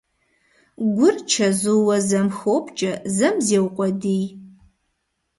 Гур чэзууэ зэм хопкӀэ, зэм зеукъуэдий.